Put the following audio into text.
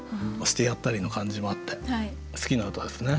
してやったりの感じもあって好きな歌ですね。